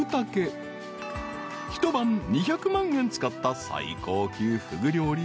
［一晩２００万円使った最高級ふぐ料理は］